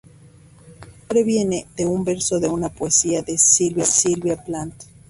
Su nombre viene de un verso de una poesía de Sylvia Plath.